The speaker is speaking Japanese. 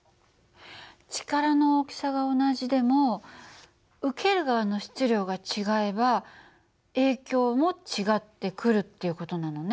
力の大きさが同じでも受ける側の質量が違えば影響も違ってくるっていう事なのね。